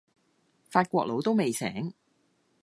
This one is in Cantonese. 法國佬都未醒